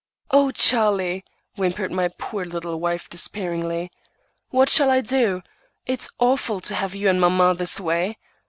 "O Charlie!" whimpered my poor little wife despairingly, "what shall I do? It's awful to have you and mamma this way!"